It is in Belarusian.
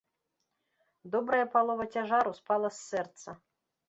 Добрая палова цяжару спала з сэрца.